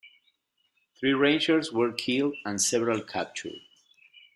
Three Rangers were killed and several captured.